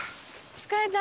疲れた。